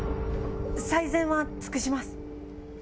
最善は尽くします。